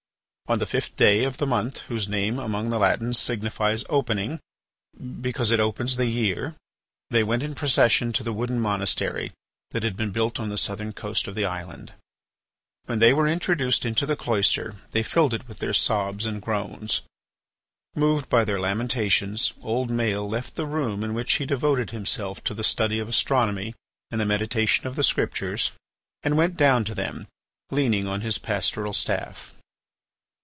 On the fifth day of the month whose name among the Latins signifies opening, because it opens the year, they went in procession to the wooden monastery that had been built on the southern coast of the island. When they were introduced into the cloister they filled it with their sobs and groans. Moved by their lamentations, old Maël left the room in which he devoted himself to the study of astronomy and the meditation of the Scriptures, and went down to them, leaning on his pastoral staff.